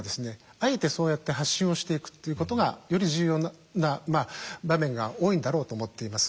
あえてそうやって発信をしていくっていうことがより重要な場面が多いんだろうと思っています。